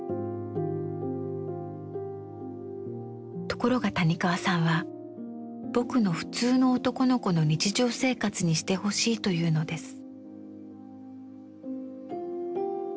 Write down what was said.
ところが谷川さんは「『ぼく』の普通の男の子の日常生活」にしてほしいというのです。